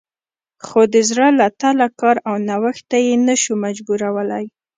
خو د زړه له تله کار او نوښت ته یې نه شو مجبورولی